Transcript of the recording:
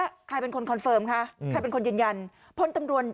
เนี่ยใครเป็นคนคอนเฟิร์มใครเป็นคนยืนยัน